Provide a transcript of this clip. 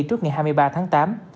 trước ngày hai mươi ba tháng tám